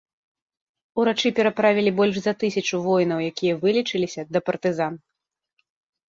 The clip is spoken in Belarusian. Урачы пераправілі больш за тысячу воінаў, якія вылечыліся, да партызан.